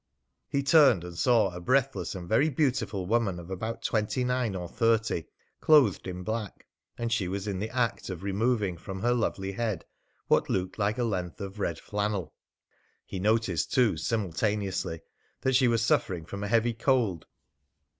He turned and saw a breathless and very beautiful woman of about twenty nine or thirty, clothed in black, and she was in the act of removing from her lovely head what looked like a length of red flannel. He noticed too, simultaneously, that she was suffering from a heavy cold.